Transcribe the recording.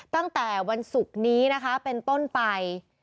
ตั้งแต่วันศุกร์นี้นะคะเป็นต้นไป